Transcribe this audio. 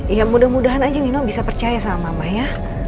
ya mudah mudahan aja nino bisa percaya sama mama ya